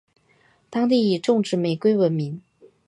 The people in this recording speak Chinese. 当地以种植玫瑰闻名。